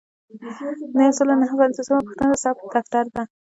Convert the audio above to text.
یو سل او نهه پنځوسمه پوښتنه د ثبت دفتر دی.